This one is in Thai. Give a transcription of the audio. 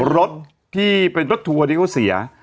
รถที่เป็นรถทัวร์ดีโอเซีย